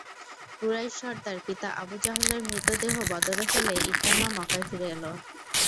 কুরাইশ সর্দার পিতা আবু জাহলের মৃত দেহ বদরে ফেলে ইকরামা মক্কায় ফিরে এল।